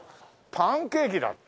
パンケーキだって。